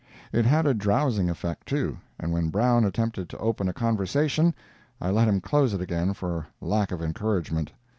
It had a drowsing effect, too, and when Brown attempted to open a conversation, I let him close it again for lack of encouragement.